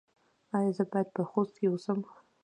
ایا زه باید په خوست کې اوسم؟